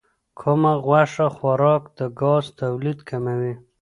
کم غوښه خوراک د ګاز تولید کموي.